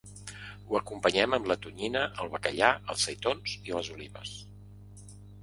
Ho acompanyem amb la tonyina, el bacallà, els seitons i les olives.